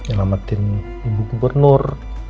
nelamatin ibu gubernur